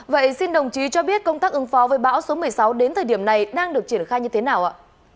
vậy xin đồng chí cho biết công tác ứng phó với bão số một mươi sáu đến thời điểm này đang được triển khai như thế nào ạ